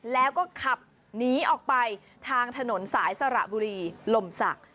แล้วก็ขับหนีออกไปทางถนนสายสระบุรีลมศักดิ์